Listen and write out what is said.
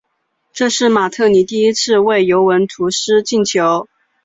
这是马特里第一次为尤文图斯进球。